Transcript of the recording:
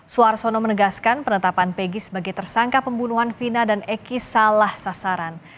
suarsono menegaskan penetapan pegi sebagai tersangka pembunuhan vina dan eki salah sasaran